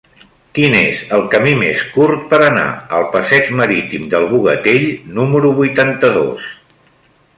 Quin és el camí més curt per anar al passeig Marítim del Bogatell número vuitanta-dos?